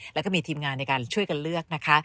แล้วก็มีทีมงานในการช่วยกันเลือกนะคะ